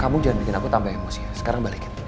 kamu jangan bikin aku tambah emosi ya sekarang balikin